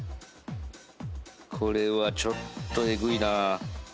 これはちょっとえぐいなぁ。